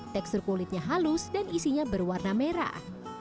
tekstur kulitnya halus dan isinya berwarna merah